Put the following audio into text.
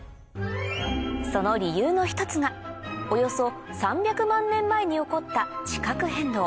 その理由の１つがおよそ３００万年前に起こった地殻変動